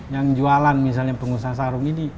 yang jualan misalnya pengusaha sarung ini